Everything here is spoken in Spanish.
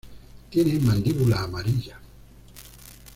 Tiene mandíbula amarilla.